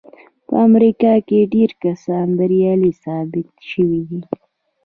په امريکا کې ډېر کسان بريالي ثابت شوي دي.